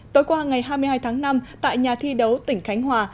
tối qua ngày hai mươi hai tháng năm tại nhà thi đấu tỉnh khánh hòa